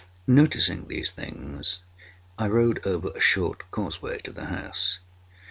Noticing these things, I rode over a short causeway to the house.